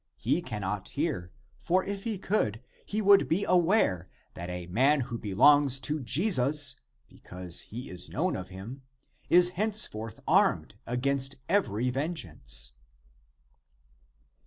He cannot hear; for if he could, he would be aware, that a man who belongs to Jesus, because he is known of him, is henceforth armed against every vengeance."